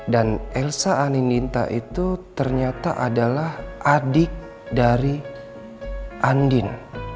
dan elsa anindita itu ternyata adalah adik dari andin